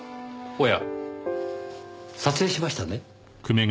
おや撮影しましたね？